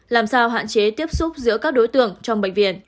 làm sao hạn chế tiếp xúc giữa các đối tượng trong bệnh viện